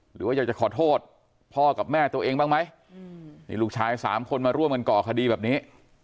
หรือว่าอยากจะขอโทษพ่อกับแม่ตัวเองบ้างไหมนี่ลูกชายสามคนมาร่วมกันก่อคดีแบบนี้